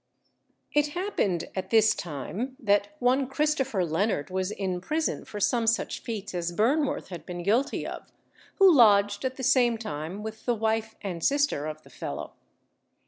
It happened at this time, that one Christopher Leonard was in prison for some such feats as Burnworth had been guilty of, who lodged at the same time with the wife and sister of the fellow.